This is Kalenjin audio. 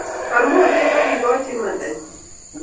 Bar moset ak ikochi imandanyi